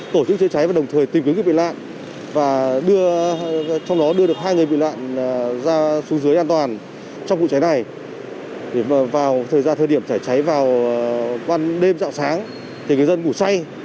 thời gian thời điểm cháy cháy vào đêm dạo sáng thì dân ngủ say